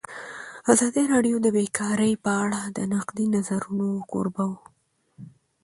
ازادي راډیو د بیکاري په اړه د نقدي نظرونو کوربه وه.